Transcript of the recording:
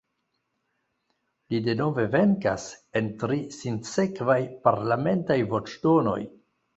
Li denove venkas en tri sinsekvaj parlamentaj voĉdonoj.